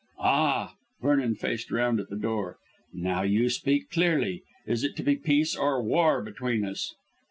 "Ah!" Vernon faced round at the door. "Now you speak clearly. Is it to be peace or war between us?"